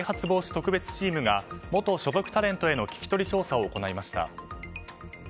特別チームが元所属タレントへの聞き取り調査を行いました。